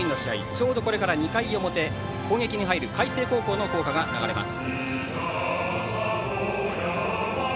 ちょうどこれから２回表攻撃に入る海星高校の校歌が流れます。